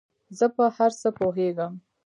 زۀ په هر څه پوهېږم